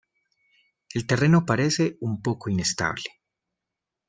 El terreno parece un poco inestable.